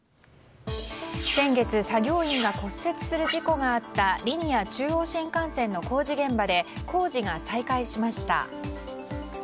先月、作業員が骨折する事故があったリニア中央新幹線の工事現場で工事が再開しました。